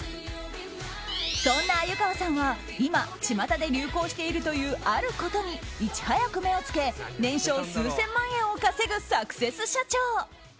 そんな鮎河さんは今、巷で流行しているというあることに、いち早く目をつけ年商数千万円を稼ぐサクセス社長！